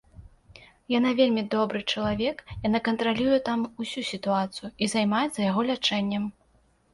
Яна вельмі добры чалавек, яна кантралюе там усю сітуацыю і займаецца яго лячэннем.